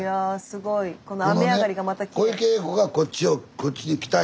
この雨上がりがまたきれい。